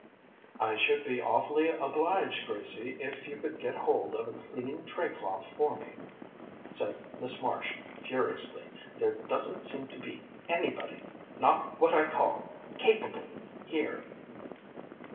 "I should be awfully obliged, Gracie, if you could get hold of a clean tray cloth for me," said Miss Marsh furiously. "There doesn't seem to be anybody not what I call capable here."